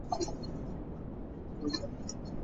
এটি হবে পাকিস্তানের প্রথম মেট্রো রেল।